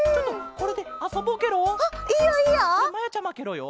これまやちゃまケロよ。